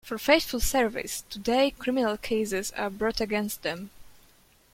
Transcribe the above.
For faithful service, today criminal cases are brought against them.